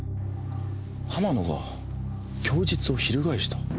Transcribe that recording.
浜野が供述を翻した？